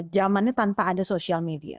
zamannya tanpa ada social media